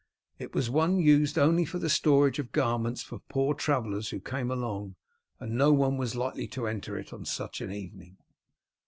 It was one used only for the storage of garments for poor travellers who came along, and no one was likely to enter it on such an evening.